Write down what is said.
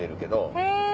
へぇ！